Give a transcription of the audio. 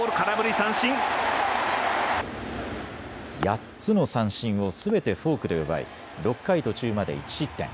８つの三振をすべてフォークで奪い６回途中まで１失点。